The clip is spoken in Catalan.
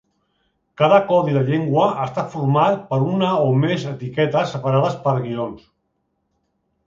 Cada codi de llengua està format per una o més etiquetes separades per guions.